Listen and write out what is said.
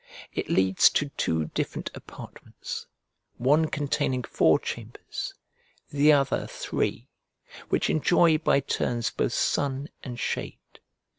It leads to two different apartments, one containing four chambers, the other, three, which enjoy by turns both sun and shade.